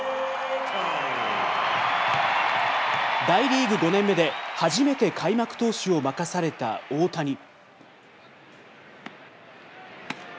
大リーグ５年目で初めて開幕投手を任された大谷。